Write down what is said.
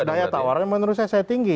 ya daya tawarnya menurut saya tinggi